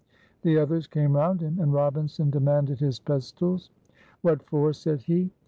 The others came round him, and Robinson demanded his pistols. "What for?" said he.